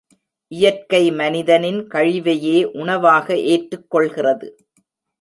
இயற்கை மனிதனின் கழிவையே உணவாக ஏற்றுக் கொள்கிறது.